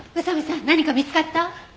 宇佐見さん何か見つかった？